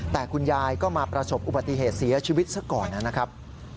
แต่คุณยายก็มาประสบอุบัติเหตุเสียชีวิตซะก่อนนะครับ